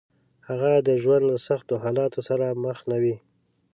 هغه د ژوند له سختو حالاتو سره مخ نه وي.